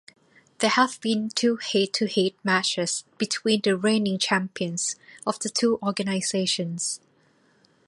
There have been two head-to-head matches between the reigning champions of the two organisations.